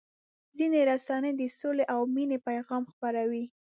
ځینې رسنۍ د سولې او مینې پیغام خپروي.